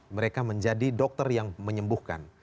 mereka menjadi dokter yang menyembuhkan